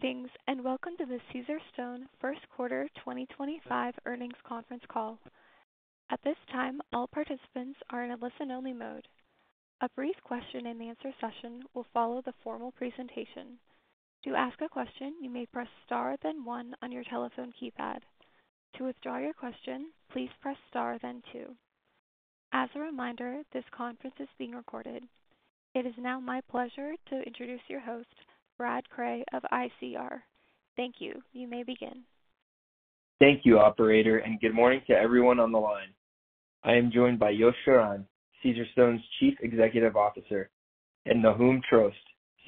Greetings and welcome to the Caesarstone First Quarter 2025 earnings conference call. At this time, all participants are in a listen-only mode. A brief question-and-answer session will follow the formal presentation. To ask a question, you may press star then one on your telephone keypad. To withdraw your question, please press star then two. As a reminder, this conference is being recorded. It is now my pleasure to introduce your host, Brad Cray of ICR. Thank you. You may begin. Thank you, Operator, and good morning to everyone on the line. I am joined by Yos Shiran, Caesarstone's Chief Executive Officer, and Nahum Trost,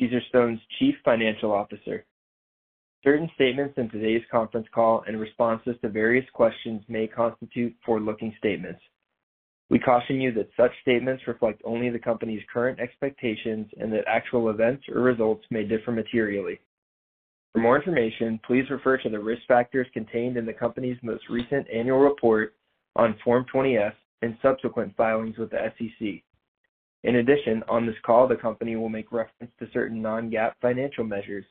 Caesarstone's Chief Financial Officer. Certain statements in today's conference call and responses to various questions may constitute forward-looking statements. We caution you that such statements reflect only the company's current expectations and that actual events or results may differ materially. For more information, please refer to the risk factors contained in the company's most recent annual report on Form 20-F and subsequent filings with the SEC. In addition, on this call, the company will make reference to certain non-GAAP financial measures,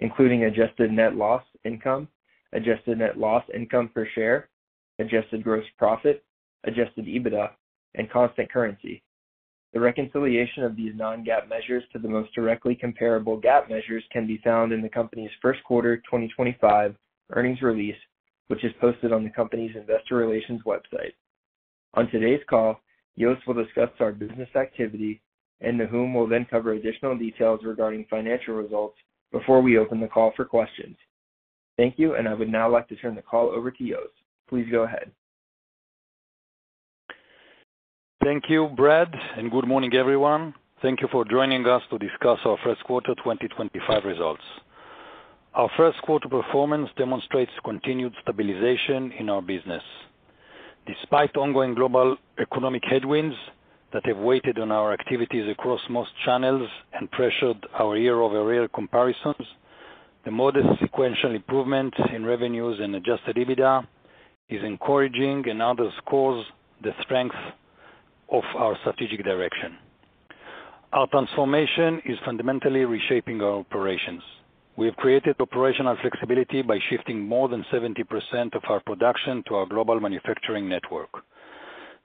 including adjusted net loss income, adjusted net loss income per share, adjusted gross profit, adjusted EBITDA, and constant currency. The reconciliation of these non-GAAP measures to the most directly comparable GAAP measures can be found in the company's First Quarter 2025 earnings release, which is posted on the company's investor relations website. On today's call, Yos will discuss our business activity, and Nahum will then cover additional details regarding financial results before we open the call for questions. Thank you, and I would now like to turn the call over to Yos. Please go ahead. Thank you, Brad, and good morning, everyone. Thank you for joining us to discuss our First Quarter 2025 results. Our First Quarter performance demonstrates continued stabilization in our business. Despite ongoing global economic headwinds that have weighed on our activities across most channels and pressured our year-over-year comparisons, the modest sequential improvement in revenues and adjusted EBITDA is encouraging and underscores the strength of our strategic direction. Our transformation is fundamentally reshaping our operations. We have created operational flexibility by shifting more than 70% of our production to our global manufacturing network.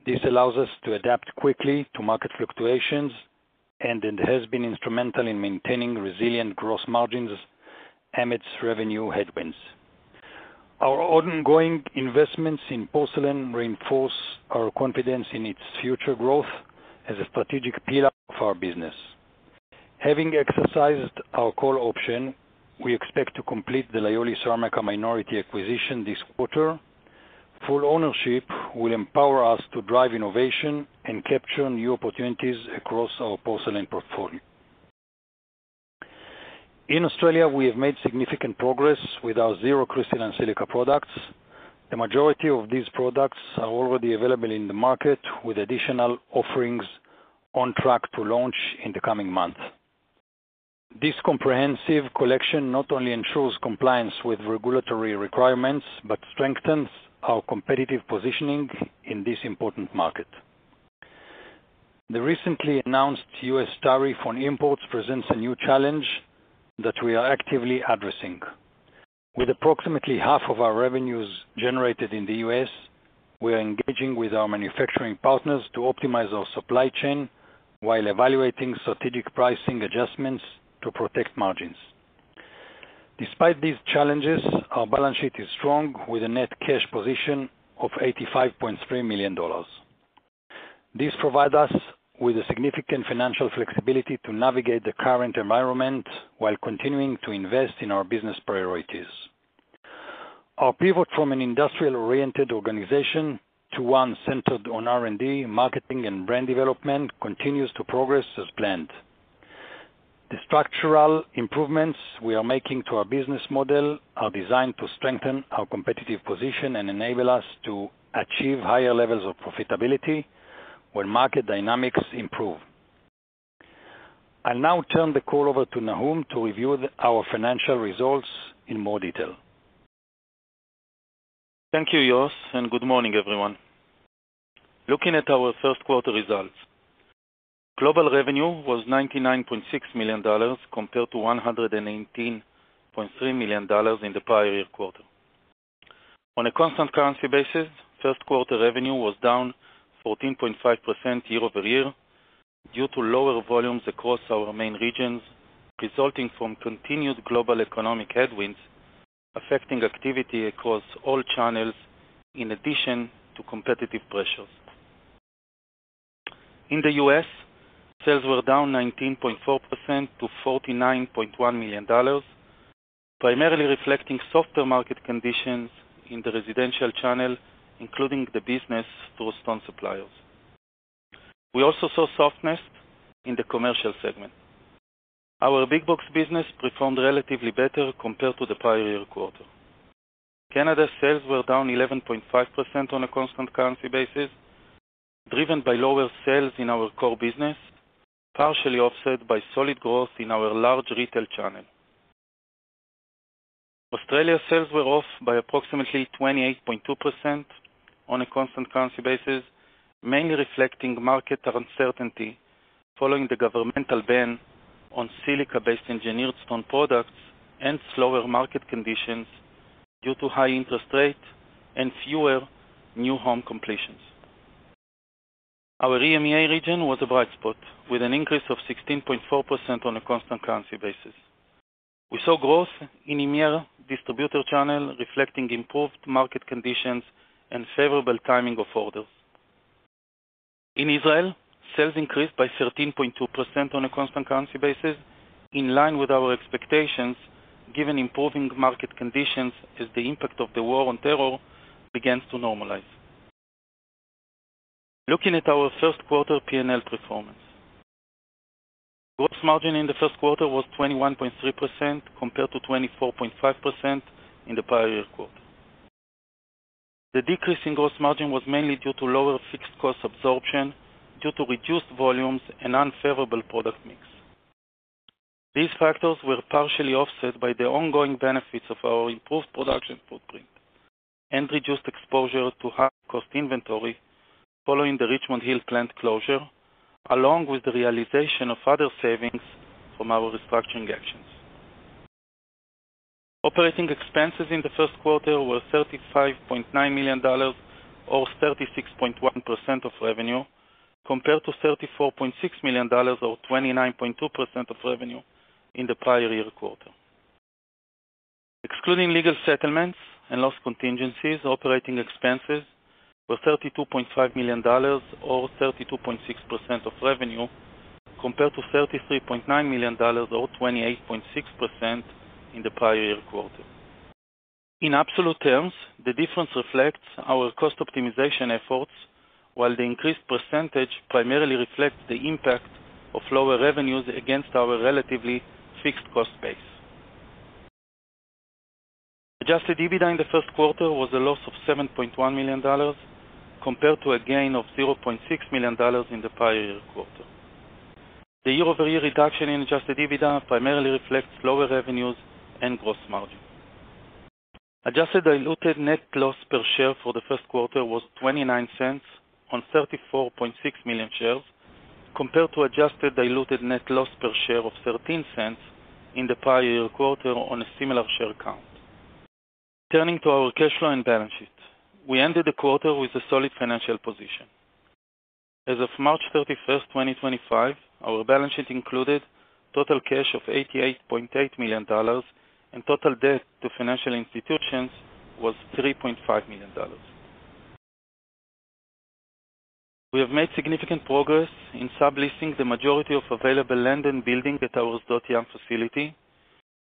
This allows us to adapt quickly to market fluctuations and has been instrumental in maintaining resilient gross margins amidst revenue headwinds. Our ongoing investments in Porcelain reinforce our confidence in its future growth as a strategic pillar of our business. Having exercised our call option, we expect to complete the Lioli Ceramica minority acquisition this quarter. Full ownership will empower us to drive innovation and capture new opportunities across our Porcelain portfolio. In Australia, we have made significant progress with our zero-silica acrylic products. The majority of these products are already available in the market, with additional offerings on track to launch in the coming months. This comprehensive collection not only ensures compliance with regulatory requirements but strengthens our competitive positioning in this important market. The recently announced U.S. tariff on imports presents a new challenge that we are actively addressing. With approximately half of our revenues generated in the U.S., we are engaging with our manufacturing partners to optimize our supply chain while evaluating strategic pricing adjustments to protect margins. Despite these challenges, our balance sheet is strong, with a net cash position of $85.3 million. This provides us with significant financial flexibility to navigate the current environment while continuing to invest in our business priorities. Our pivot from an industrial-oriented organization to one centered on R&D, marketing, and brand development continues to progress as planned. The structural improvements we are making to our business model are designed to strengthen our competitive position and enable us to achieve higher levels of profitability when market dynamics improve. I'll now turn the call over to Nahum to review our financial results in more detail. Thank you, Yos, and good morning, everyone. Looking at our first quarter results, global revenue was $99.6 million compared to $118.3 million in the prior year quarter. On a constant currency basis, first quarter revenue was down 14.5% year-over-year due to lower volumes across our main regions, resulting from continued global economic headwinds affecting activity across all channels in addition to competitive pressures. In the U.S., sales were down 19.4% to $49.1 million, primarily reflecting softer market conditions in the residential channel, including the business-to-restored suppliers. We also saw softness in the commercial segment. Our big box business performed relatively better compared to the prior year quarter. Canada sales were down 11.5% on a constant currency basis, driven by lower sales in our core business, partially offset by solid growth in our large retail channel. Australia sales were off by approximately 28.2% on a constant currency basis, mainly reflecting market uncertainty following the governmental ban on silica-based engineered stone products and slower market conditions due to high interest rates and fewer new home completions. Our EMEA region was a bright spot, with an increase of 16.4% on a constant currency basis. We saw growth in EMEA distributor channel, reflecting improved market conditions and favorable timing of orders. In Israel, sales increased by 13.2% on a constant currency basis, in line with our expectations, given improving market conditions as the impact of the war on terror begins to normalize. Looking at our First Quarter P&L performance, gross margin in the First Quarter was 21.3% compared to 24.5% in the prior year quarter. The decrease in gross margin was mainly due to lower fixed cost absorption due to reduced volumes and unfavorable product mix. These factors were partially offset by the ongoing benefits of our improved production footprint and reduced exposure to high-cost inventory following the Richmond Hill plant closure, along with the realization of other savings from our restructuring actions. Operating expenses in the first quarter were $35.9 million, or 36.1% of revenue, compared to $34.6 million, or 29.2% of revenue, in the prior year quarter. Excluding legal settlements and loss contingencies, operating expenses were $32.5 million, or 32.6% of revenue, compared to $33.9 million, or 28.6% in the prior year quarter. In absolute terms, the difference reflects our cost optimization efforts, while the increased percentage primarily reflects the impact of lower revenues against our relatively fixed cost base. Adjusted EBITDA in the first quarter was a loss of $7.1 million, compared to a gain of $0.6 million in the prior year quarter. The year-over-year reduction in adjusted EBITDA primarily reflects lower revenues and gross margin. Adjusted diluted net loss per share for the first quarter was $0.29 on 34.6 million shares, compared to adjusted diluted net loss per share of $0.13 in the prior year quarter on a similar share count. Turning to our cash flow and balance sheet, we ended the quarter with a solid financial position. As of March 31st, 2025, our balance sheet included total cash of $88.8 million, and total debt to financial institutions was $3.5 million. We have made significant progress in subleasing the majority of available land and building at our Sdot Yam facility,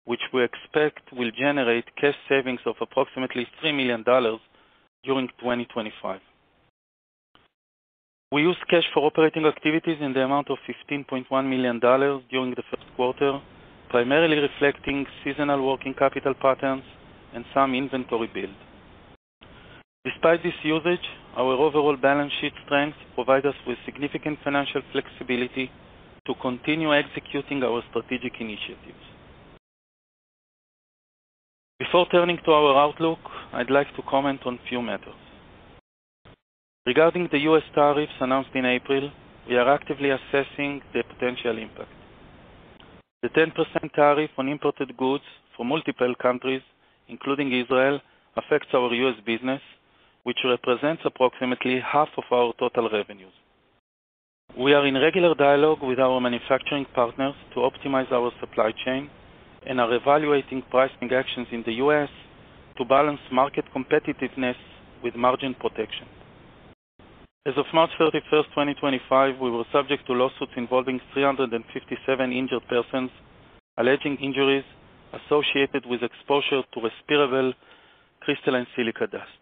which we expect will generate cash savings of approximately $3 million during 2025. We used cash for operating activities in the amount of $15.1 million during the first quarter, primarily reflecting seasonal working capital patterns and some inventory build. Despite this usage, our overall balance sheet strength provides us with significant financial flexibility to continue executing our strategic initiatives. Before turning to our outlook, I'd like to comment on a few matters. Regarding the U.S. tariffs announced in April, we are actively assessing their potential impact. The 10% tariff on imported goods from multiple countries, including Israel, affects our U.S. business, which represents approximately half of our total revenues. We are in regular dialogue with our manufacturing partners to optimize our supply chain and are evaluating pricing actions in the U.S. to balance market competitiveness with margin protection. As of March 31st, 2025, we were subject to lawsuits involving 357 injured persons alleging injuries associated with exposure to respirable crystalline silica dust.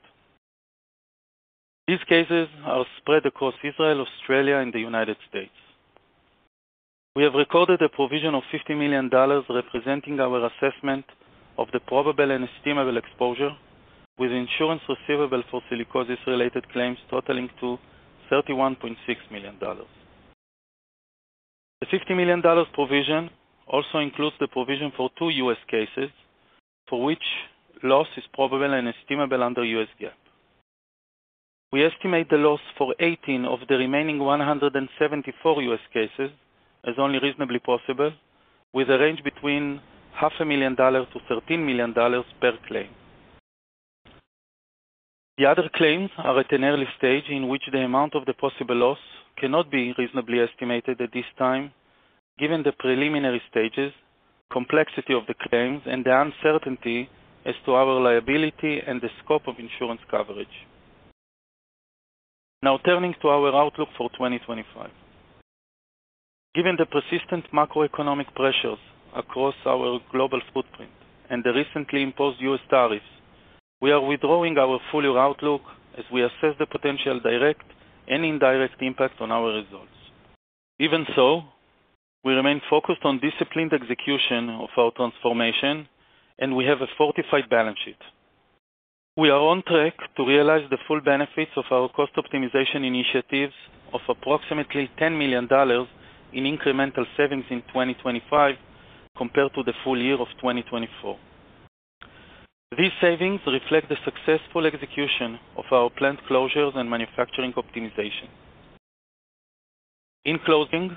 These cases are spread across Israel, Australia, and the United States. We have recorded a provision of $50 million representing our assessment of the probable and estimable exposure, with insurance receivable for silicosis-related claims, totaling to $31.6 million. The $50 million provision also includes the provision for two U.S. cases for which loss is probable and estimable under U.S. GAAP. We estimate the loss for 18 of the remaining 174 U.S. cases as only reasonably possible, with a range between $500,000-$13 million per claim. The other claims are at an early stage in which the amount of the possible loss cannot be reasonably estimated at this time, given the preliminary stages, complexity of the claims, and the uncertainty as to our liability and the scope of insurance coverage. Now, turning to our outlook for 2025. Given the persistent macroeconomic pressures across our global footprint and the recently imposed U.S. tariffs, we are withdrawing our full year outlook as we assess the potential direct and indirect impact on our results. Even so, we remain focused on disciplined execution of our transformation, and we have a fortified balance sheet. We are on track to realize the full benefits of our cost optimization initiatives of approximately $10 million in incremental savings in 2025, compared to the full year of 2024. These savings reflect the successful execution of our plant closures and manufacturing optimization. In closing,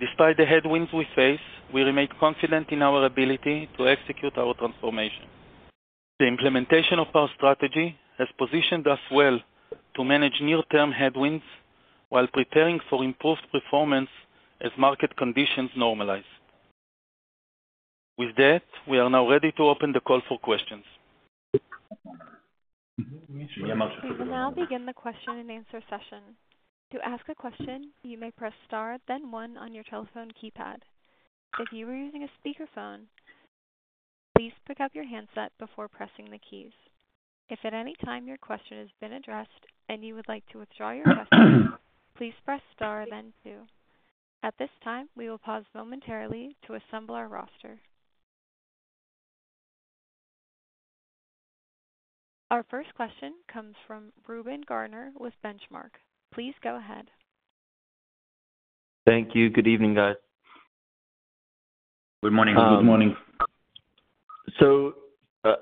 despite the headwinds we face, we remain confident in our ability to execute our transformation. The implementation of our strategy has positioned us well to manage near-term headwinds while preparing for improved performance as market conditions normalize. With that, we are now ready to open the call for questions. We will now begin the question-and-answer session. To ask a question, you may press star, then one on your telephone keypad. If you are using a speakerphone, please pick up your handset before pressing the keys. If at any time your question has been addressed and you would like to withdraw your question, please press star, then two. At this time, we will pause momentarily to assemble our roster. Our first question comes from Reuben Garner with Benchmark. Please go ahead. Thank you. Good evening, guys. Good morning. Good morning.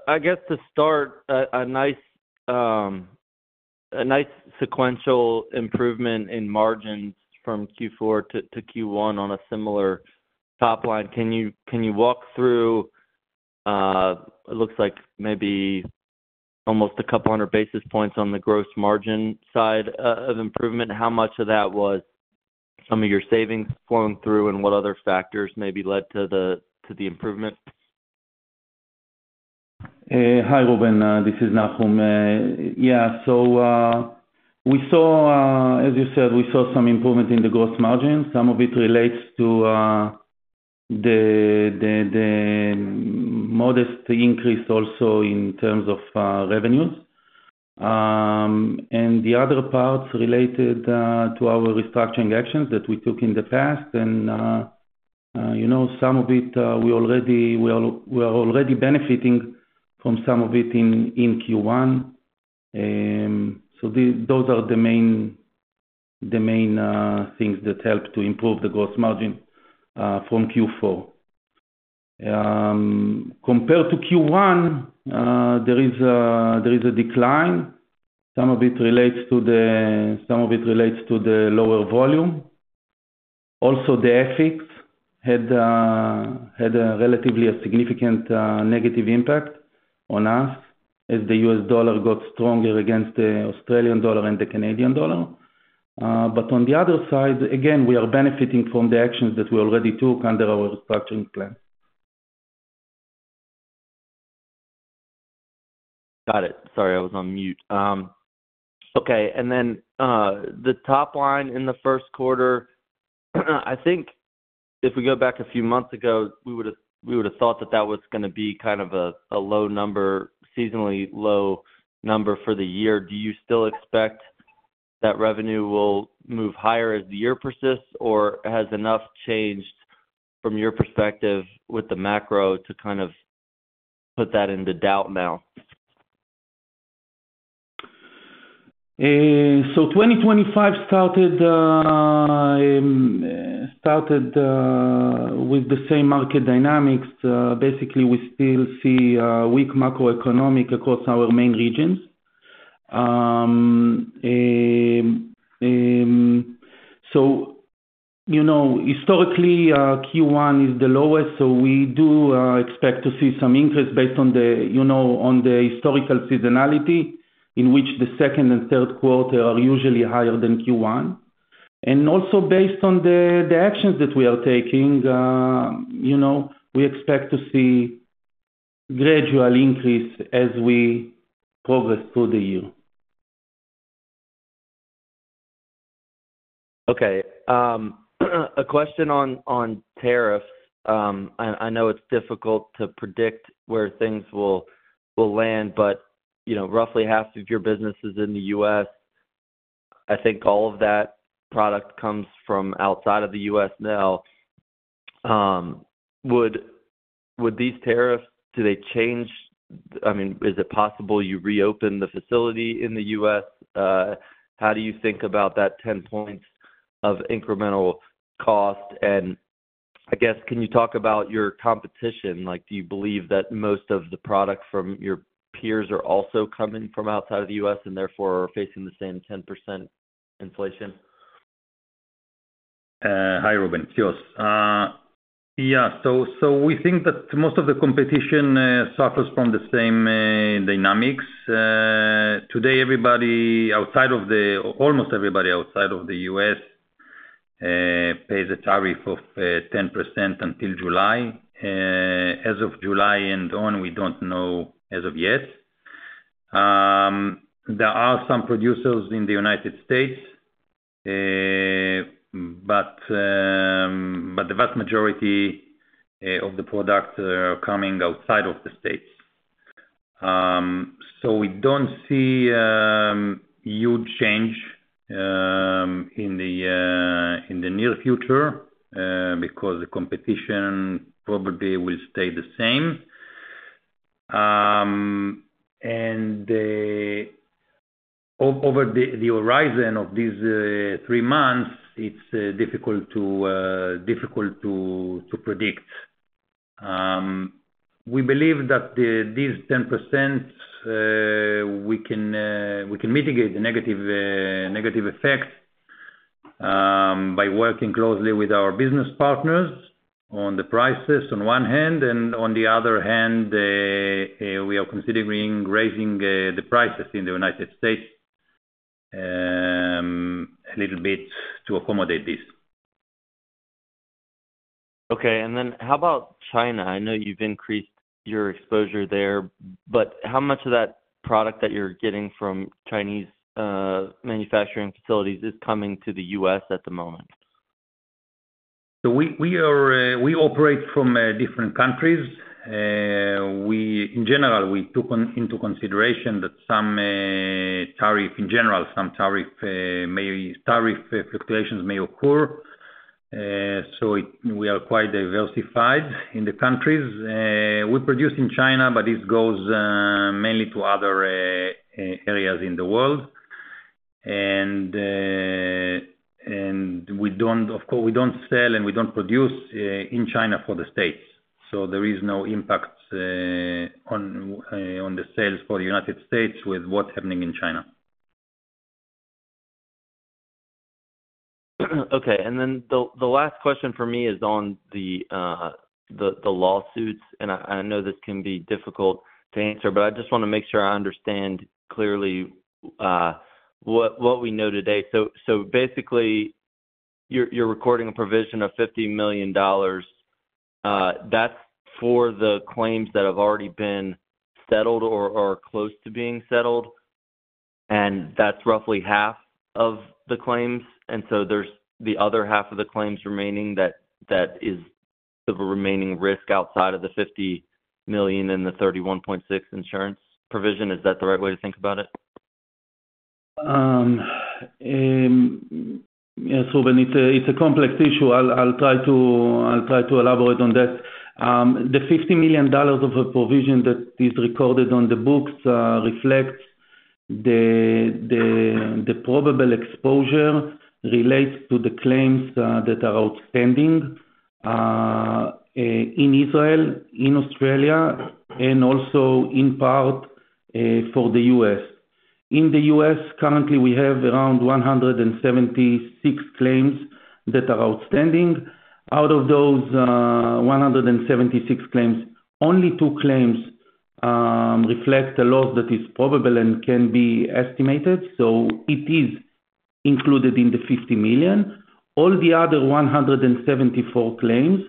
I guess to start, a nice sequential improvement in margins from Q4 to Q1 on a similar top line. Can you walk through? It looks like maybe almost a couple hundred basis points on the gross margin side of improvement? How much of that was some of your savings flowing through, and what other factors maybe led to the improvement? Hi, Reuben. This is Nahum. Yeah, so we saw, as you said, we saw some improvement in the gross margins. Some of it relates to the modest increase also in terms of revenues. The other parts related to our restructuring actions that we took in the past. Some of it, we are already benefiting from in Q1. Those are the main things that help to improve the gross margin from Q4. Compared to Q1, there is a decline. Some of it relates to the lower volume. Also, the FX had a relatively significant negative impact on us as the US dollar got stronger against the Australian dollar and the Canadian dollar. On the other side, again, we are benefiting from the actions that we already took under our restructuring plan. Got it. Sorry, I was on mute. Okay. And then the top line in the first quarter, I think if we go back a few months ago, we would have thought that that was going to be kind of a low number, seasonally low number for the year. Do you still expect that revenue will move higher as the year persists, or has enough changed from your perspective with the macro to kind of put that into doubt now? Twenty-twenty-five started with the same market dynamics. Basically, we still see weak macroeconomic across our main regions. Historically, Q1 is the lowest, so we do expect to see some increase based on the historical seasonality, in which the second and third quarter are usually higher than Q1. Also, based on the actions that we are taking, we expect to see a gradual increase as we progress through the year. Okay. A question on tariffs. I know it's difficult to predict where things will land, but roughly half of your business is in the U.S. I think all of that product comes from outside of the U.S. now. Would these tariffs, do they change? I mean, is it possible you reopen the facility in the U.S.? How do you think about that 10 points of incremental cost? I guess, can you talk about your competition? Do you believe that most of the product from your peers are also coming from outside of the U.S. and therefore are facing the same 10% inflation? Hi, Reuben. Cheers. Yeah. We think that most of the competition suffers from the same dynamics. Today, almost everybody outside of the U.S. pays a tariff of 10% until July. As of July and on, we do not know as of yet. There are some producers in the United States, but the vast majority of the products are coming outside of the States. We do not see a huge change in the near future because the competition probably will stay the same. Over the horizon of these three months, it is difficult to predict. We believe that these 10%, we can mitigate the negative effects by working closely with our business partners on the prices on one hand, and on the other hand, we are considering raising the prices in the United States a little bit to accommodate this. Okay. How about China? I know you've increased your exposure there, but how much of that product that you're getting from Chinese manufacturing facilities is coming to the U.S. at the moment? We operate from different countries. In general, we took into consideration that some tariff, in general, some tariff fluctuations may occur. We are quite diversified in the countries. We produce in China, but this goes mainly to other areas in the world. We do not sell and we do not produce in China for the States. There is no impact on the sales for the United States, with what is happening in China. Okay. And then the last question for me is on the lawsuits. I know this can be difficult to answer, but I just want to make sure I understand clearly what we know today. So basically, you're recording a provision of $50 million. That's for the claims that have already been settled or are close to being settled. That's roughly half of the claims. There's the other half of the claims remaining that is the remaining risk outside of the $50 million and the $31.6 million insurance provision. Is that the right way to think about it? Yeah. So it's a complex issue. I'll try to elaborate on that. The $50 million of a provision that is recorded on the books reflects the probable exposure related to the claims that are outstanding in Israel, in Australia, and also in part for the U.S. In the U.S., currently we have around 176 claims that are outstanding. Out of those 176 claims, only two claims reflect a loss that is probable and can be estimated. So it is included in the $50 million. All the other 174 claims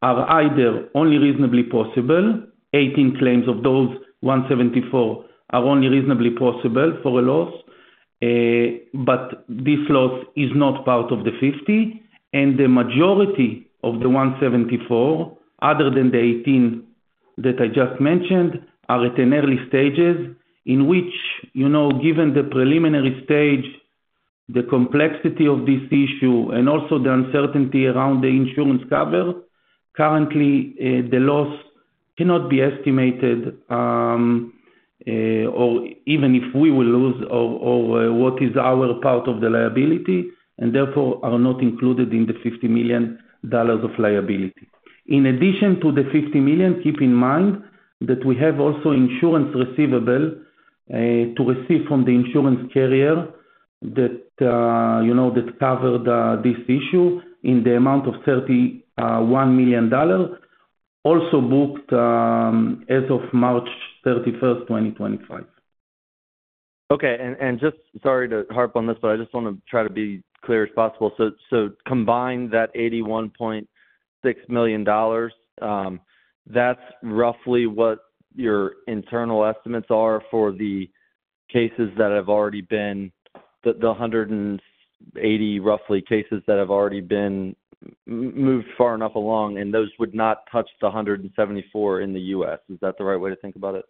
are either only reasonably possible. 18 claims of those 174 are only reasonably possible for a loss. But this loss is not part of the $50. The majority of the 174, other than the 18 that I just mentioned, are at an early stage in which, given the preliminary stage, the complexity of this issue, and also the uncertainty around the insurance cover, currently, the loss cannot be estimated, or even if we will lose, or what is our part of the liability, and therefore are not included in the $50 million of liability. In addition to the $50 million, keep in mind that we have also insurance receivable to receive from the insurance carrier that covered this issue in the amount of $31 million, also booked as of March 31st, 2025. Okay. Sorry to harp on this, but I just want to try to be as clear as possible. Combine that $81.6 million, that's roughly what your internal estimates are for the cases that have already been, the 180 roughly cases that have already been moved far enough along, and those would not touch the 174 in the U.S. Is that the right way to think about it?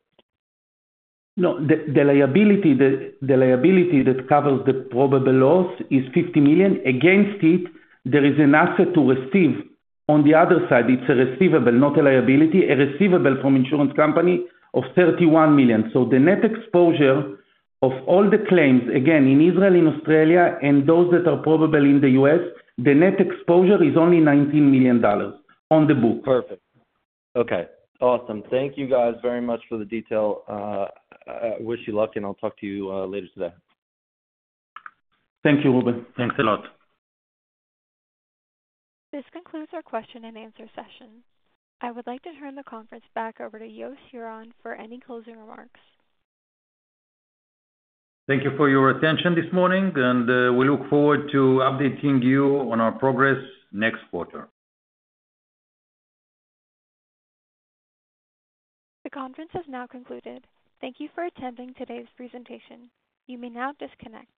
No. The liability that covers the probable loss is $50 million. Against it, there is an asset to receive on the other side. It's a receivable, not a liability. A receivable from an insurance company of $31 million. So the net exposure of all the claims, again, in Israel, in Australia, and those that are probable in the U.S., the net exposure is only $19 million on the book. Perfect. Okay. Awesome. Thank you guys very much for the detail. I wish you luck, and I'll talk to you later today. Thank you, Reuben. Thanks a lot. This concludes our question-and-answer session. I would like to turn the conference back over to Yos Shiran for any closing remarks. Thank you for your attention this morning, and we look forward to updating you on our progress next quarter. The conference has now concluded. Thank you for attending today's presentation. You may now disconnect.